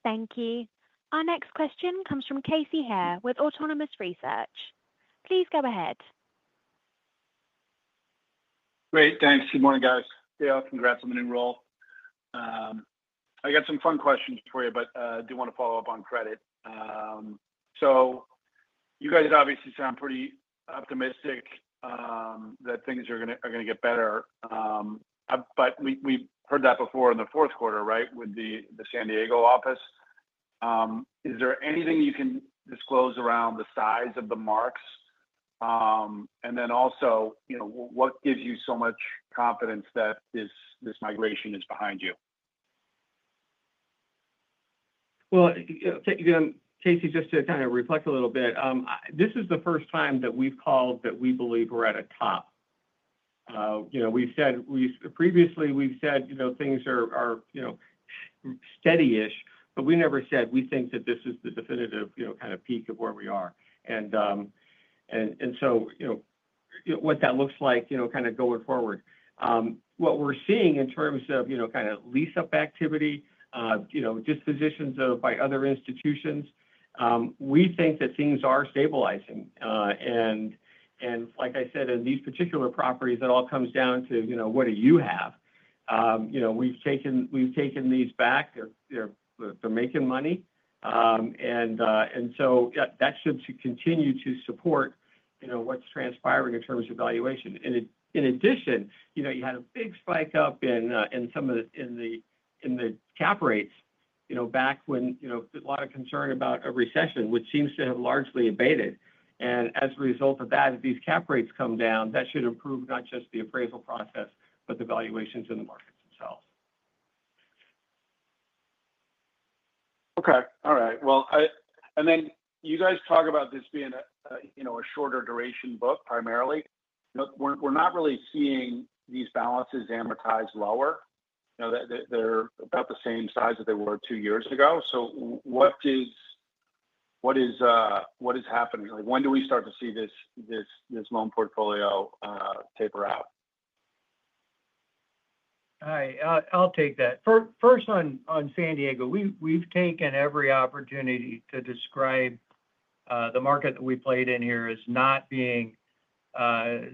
Thank you. Our next question comes from Casey Haire with Autonomous Research. Go ahead. Great. Thanks. Good morning, guys. Dale, congrats on the new role. I got some fun questions for you, but I do want to follow-up on credit. So you guys obviously sound pretty optimistic that things are going to get better, but we've heard that before in the fourth quarter, right, with the San Diego office. Is there anything you can disclose around the size of the marks? And then also, you know, what gives you so much confidence that this this migration is behind you? Well, Casey, just to kind of reflect a little bit, this is the first time that we've called that we believe we're at a top. You know, we've said we previously, we've said, you know, things are are, you know, steady ish, but we never said we think that this is the definitive kind of peak of where we are. And so what that looks like kind of going forward. What we're seeing in terms of kind of lease up activity, dispositions by other institutions, we think that things are stabilizing. And like I said, in these particular properties, it all comes down to what do you have. We've taken these back. They're making money. So that should continue to support what's transpiring in terms of valuation. In addition, you had a big spike up in some of the in the cap rates back when a lot of concern about a recession, which seems to have largely abated. And as a result of that, if these cap rates come down, that should improve not just the appraisal process, but the valuations in the markets itself. Okay. All right. Well, I and then you guys talk about this being a, you know, a shorter duration book primarily. We're we're not really seeing these balances amortized lower. You know, they're they're about the same size that they were two years ago. So what is what is what is happening? Like, when do we start to see this this this loan portfolio, taper out? Hi. I'll take that. First on on San Diego, we've we've taken every opportunity to describe the market that we played in here as not being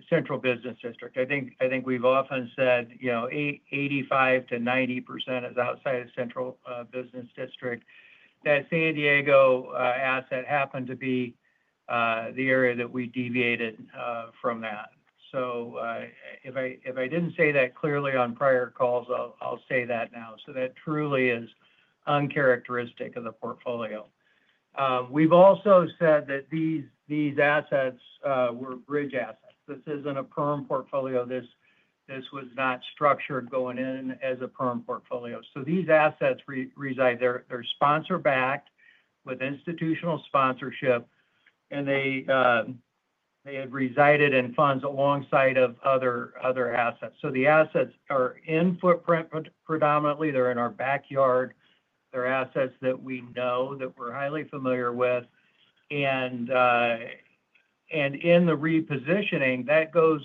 Central I think I think we've often said, you know, 85 to 90% is outside of Central Business District. That San Diego asset happened to be the area that we deviated from that. So if I if I didn't say that clearly on prior calls, I'll I'll say that now. So that truly is uncharacteristic of the portfolio. We've also said that these these assets were bridge assets. This isn't a perm portfolio. This this was not structured going in as a perm portfolio. So these assets re reside. They're they're sponsor backed with institutional sponsorship, and they they have resided in funds alongside of other other assets. So the assets are in footprint predominantly. They're in our backyard. They're assets that we know that we're highly familiar with. And and in the repositioning, that goes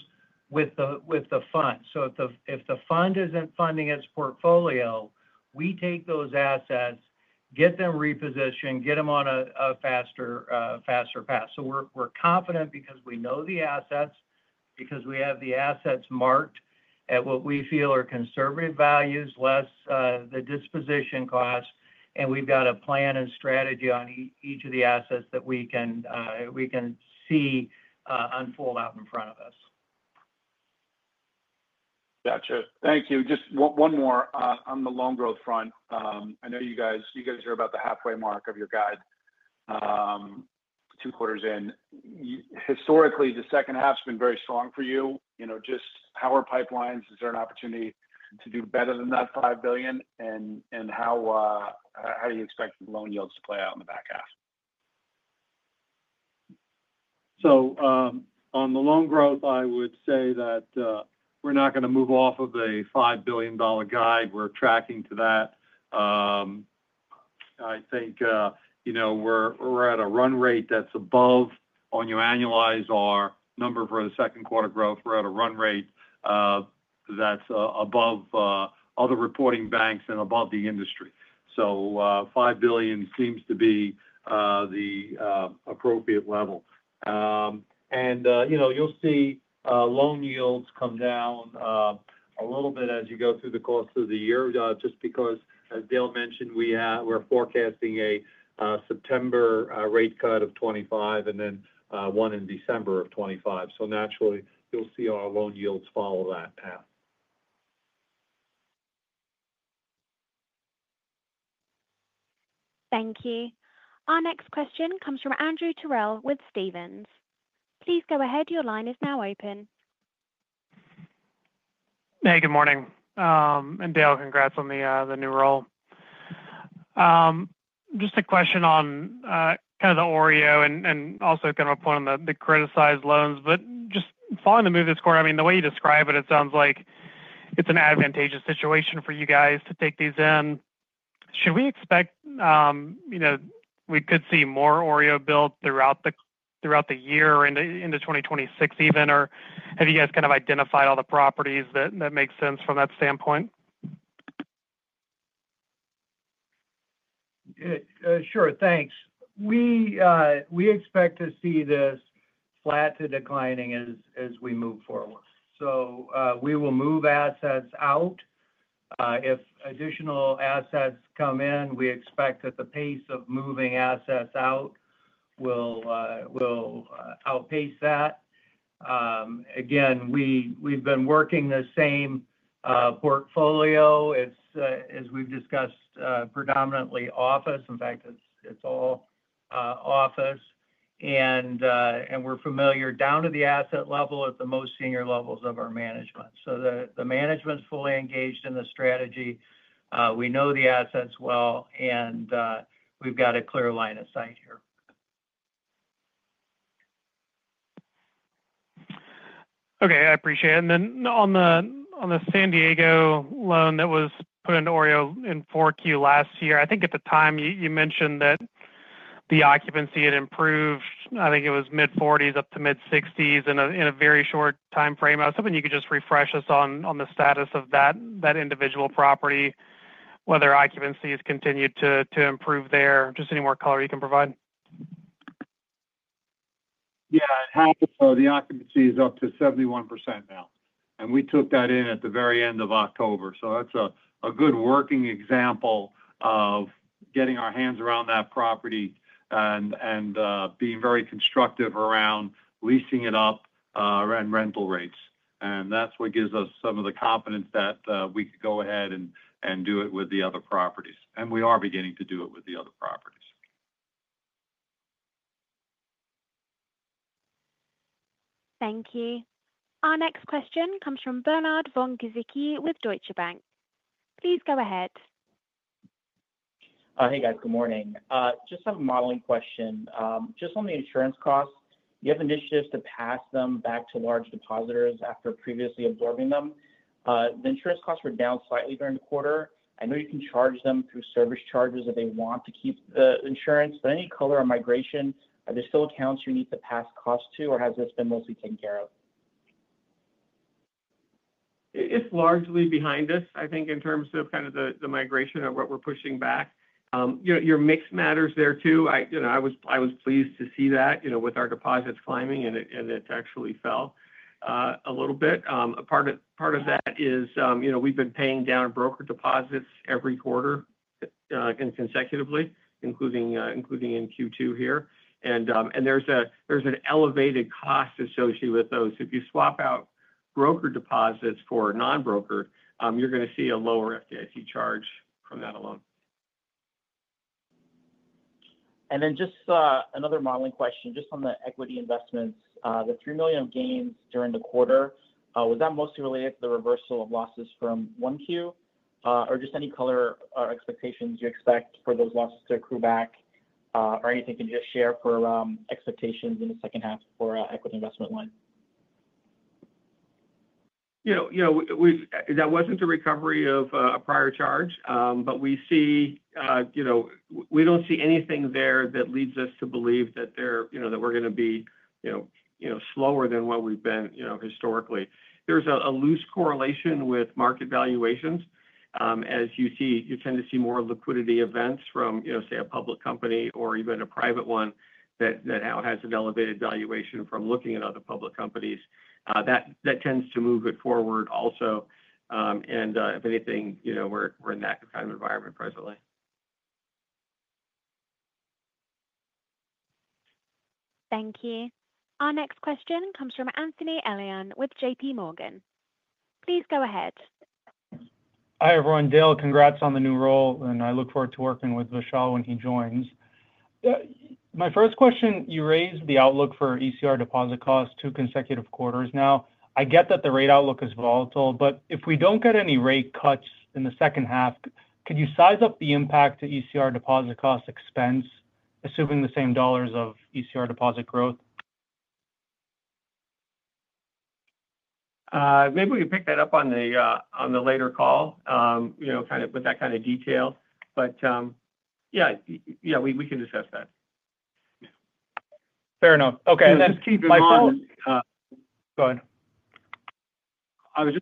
with the with the fund. So if the if the fund isn't funding its portfolio, we take those assets, get them repositioned, get them on a faster path. So we're we're confident because we know the assets, because we have the assets marked at what we feel are conservative values less the disposition cost, and we've got a plan and strategy on each of the assets that we can see unfold out in front of us. Got you. Just one more on the loan growth front. I know you guys are about the halfway mark of your guide two quarters in. Historically, the second half has been very strong for you. Just how are pipelines? Is there an opportunity to do better than that $5,000,000,000 And how do you expect loan yields to play out in the back half? On the loan growth, I would say that we're not going to move off of a $5,000,000,000 guide. We're tracking to that. I think we're at a run rate that's above on your annualized our number for the second quarter growth. We're at a run rate that's above other reporting banks and above the industry. So 5,000,000,000 seems to be the appropriate level. And you'll see loan yields come down a little bit as you go through the course of the year just because, as Dale mentioned, we're forecasting a September rate cut of 25 and then one in December. So naturally, you'll see our loan yields follow that path. Thank you. Our next question comes from Andrew Torell with Stephens. Please go ahead. Your line is now open. Hey, good morning. And Dale, congrats on the new role. Just a question on kind of the OREO and also kind of a point on the criticized loans. But just following the move this quarter, mean, the way you describe it, it sounds like it's an advantageous situation for you guys to take these in. Should we expect, you know, we could see more OREO built throughout the throughout the year into 2026 even? Or have you guys kind of identified all the properties that make sense from that standpoint? Sure. Thanks. We expect to see this flat to declining as as we move forward. So, we will move assets out. If additional assets come in, we expect that the pace of moving assets out will outpace that. Again, we've been working the same portfolio. It's, as we've discussed, predominantly office. In fact, it's all office. And and we're familiar down to the asset level at the most senior levels of our management. So the the management's fully engaged in the strategy. We know the assets well, and we've got a clear line of sight here. Okay. I appreciate it. And then on the on the San Diego loan that was put in OREO in April year, I think at the time, you you mentioned that the occupancy had improved. I think it was mid-40s up to mid-60s in very short timeframe. Was hoping you could just refresh us on the status of that individual property, whether occupancy has continued to improve there. Just any more color you can provide. Yeah. So the occupancy is up to 71% now. And we took that in at the very October. So that's a good working example of getting our hands around that property and and, being very constructive around leasing it up, around rental rates. And that's what gives us some of the confidence that, we could go ahead and and do it with the other properties, and we are beginning to do it with the other properties. Thank you. Our next question comes from Bernard von Gazzicki with Deutsche Bank. Please go ahead. Hey, guys. Good morning. Just a modeling question. Just on the insurance cost, you have initiatives to pass them back to large depositors after previously absorbing them. The insurance costs were down slightly during the quarter. I know you can charge them through service charges if they want to keep the insurance. Any color on migration? Are there still accounts you need to pass cost to, or has this been mostly taken care of? It's largely behind us, I think, in terms of kind of the migration of what we're pushing back. Your mix matters there, too. Was pleased to see that with our deposits climbing, it actually fell a little bit. Part of that is we've been paying down brokered deposits every quarter consecutively, including in Q2 here. There's an elevated cost associated with those. If you swap out broker deposits for non broker, you're going to see a lower FDIC charge from that alone. And then just another modeling question, just on the equity investments. The $3,000,000 gains during the quarter, was that mostly related to the reversal of losses from 1Q? Or just any color or expectations you expect for those losses to accrue back? Or anything you can just share for expectations in the second half for equity investment line? That wasn't a recovery of a prior charge, but we see we don't see anything there that leads us to believe that they're that we're going to be slower than what we've been historically. There's a loose correlation with market valuations, as you see you tend to see more liquidity events from, say, a public company or even a private one that now has an elevated valuation from looking at other public companies. That tends to move it forward also. And if anything, we're in that kind of environment presently. Thank you. Our next question comes from Anthony Elian with JPMorgan. Please go ahead. Hi, everyone. Dale, congrats on the new role, and I look forward to working with Vishal when he joins. My first question, you raised the outlook for ECR deposit costs two consecutive quarters now. I get that the rate outlook is volatile, but if we don't get any rate cuts in the second half, could you size up the impact to ECR deposit cost expense, assuming the same dollars of ECR deposit growth? Maybe we can pick that up on the later call, kind of with that kind of detail. But yes, we can assess that. Fair enough. Okay. Go then just keep my thoughts ahead.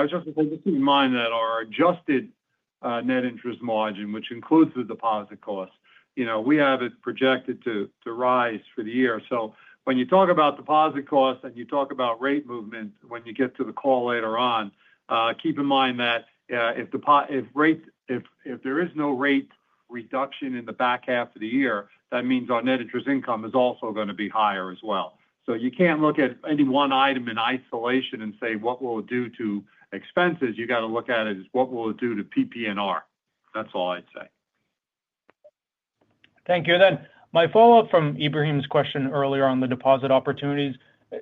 Was just going keep in mind that our adjusted net interest margin, which includes the deposit costs, we have it projected to rise for the year. So when you talk about deposit costs and you talk about rate movement when you get to the call later on, keep in mind that if there is no rate reduction in the back half of the year, that means our net interest income is also going to be higher as well. So you can't look at any one item in isolation and say what will it do to expenses. You got to look at it as what will it do to PPNR. That's all I'd say. Thank you. And then my follow-up from Ebrahim's question earlier on the deposit opportunities.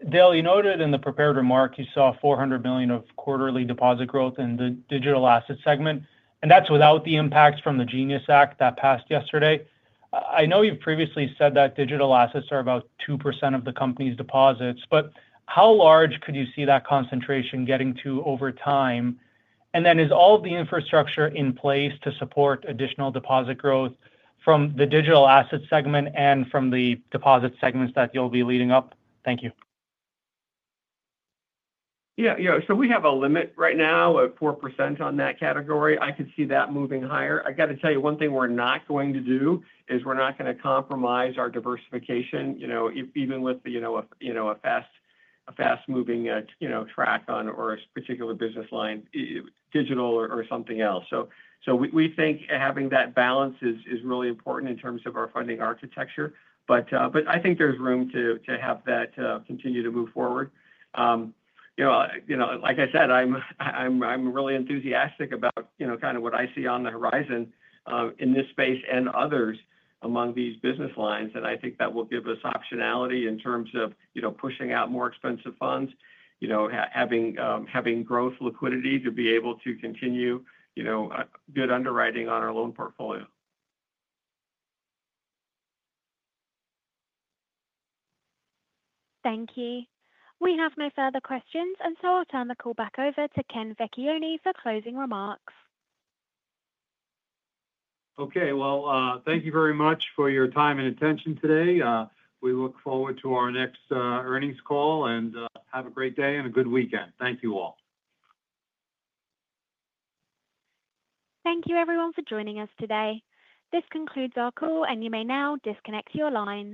Dale, you noted in the prepared remarks you saw 400,000,000 quarterly deposit growth in the digital asset segment and that's without the impacts from the Genius Act that passed yesterday. I know you've previously said that digital assets are about 2% of the company's deposits, but how large could you see that concentration getting to over time? And then is all the infrastructure in place to support additional deposit growth from the digital asset segment and from the deposit segments that you'll be leading up? Thank you. Yes. So we have a limit right now of 4% on that category. I could see that moving higher. I got to tell you one thing we're not going to do is we're not going to compromise our diversification even with a fast moving track on or a particular business line, digital or something else. So we think having that balance is really important in terms of our funding architecture. But I think there's room to have that continue to move forward. Like I said, I'm really enthusiastic about kind of what I see on the horizon in this space and others among these business lines. And I think that will give us optionality in terms of pushing out more expensive funds, having growth liquidity to be able to continue good underwriting on our loan portfolio. Thank you. We have no further questions, and so I'll turn the call back over to Ken Vecchione for closing remarks. Okay. Well, thank you very much for your time and attention today. We look forward to our next earnings call, and have a great day and a good weekend. Thank you all. Thank you, everyone, for joining us today. This concludes our call, and you may now disconnect your lines.